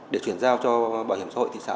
để chuyển giao cho bảo hiểm xã hội thị xã